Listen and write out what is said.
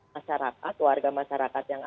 masyarakat warga masyarakat yang